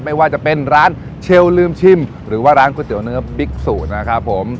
ไม่ว่าจะเป็นร้านเชลลืมชิมหรือว่าร้านก๋วยเตี๋เนื้อบิ๊กซูนะครับผม